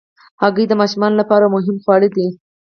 هګۍ د ماشومانو لپاره مهم خواړه دي.